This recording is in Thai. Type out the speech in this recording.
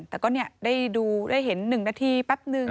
แต่ก็ได้ดูได้เห็น๑นาทีแป๊บนึง